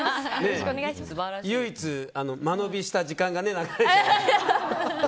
唯一間延びした時間が流れた。